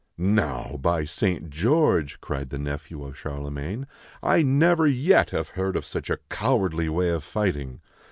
" Now, by Saint George," cried the nephew of Charle magne, " I never yet have heard of such a cowardly way of fighting.